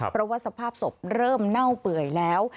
เพราะว่าสภาพศพเริ่มเน่าเปื่อยแล้ว